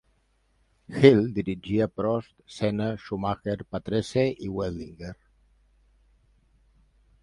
Hill dirigia Prost, Senna, Schumacher, Patrese i Wendlinger.